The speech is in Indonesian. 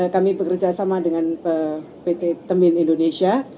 kami bekerja sama dengan pt temin indonesia